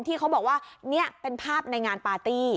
ที่เขาบอกว่านี่เป็นภาพในงานปาร์ตี้